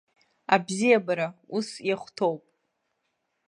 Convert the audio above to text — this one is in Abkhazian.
Абзиабара ус иахәҭоуп.